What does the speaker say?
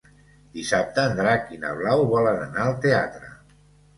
Dissabte en Drac i na Blau volen anar al teatre.